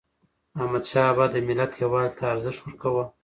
احمدشاه بابا د ملت یووالي ته ارزښت ورکاوه.